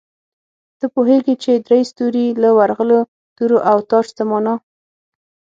ته پوهېږې چې درې ستوري، له ورغلو تورو او تاج څه مانا؟